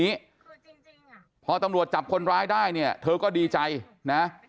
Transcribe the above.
นี้พอตำรวจจับคนร้ายได้เนี่ยเธอก็ดีใจนะ